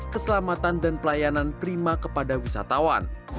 keselamatan dan pelayanan prima kepada wisatawan